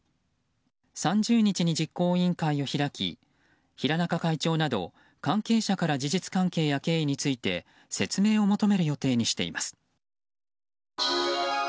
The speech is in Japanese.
３０日に実行委員会を開き平仲会長など関係者から事実関係や経緯について説明を求める予定にしています。